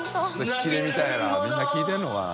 ）引きで見たいなみんな聞いてるのかな？）